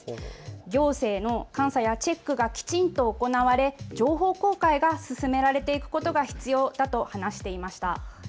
行政の監査やチェックがきちんと行われ、情報公開が進められていくことが必要だと話していました。